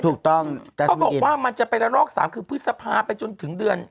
ถูกต้องแต่เขาบอกว่ามันจะไปละลอก๓คือพฤษภาไปจนถึงเดือน